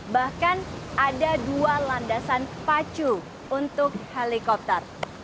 bahkan ada dua landasan pacu untuk helikopter